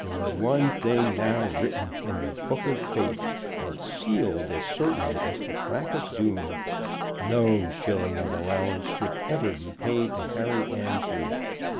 There was one thing now written in the book of fate, and sealed as certainly as the crack of doom: no shilling of allowance should ever be paid to Harry Annesley.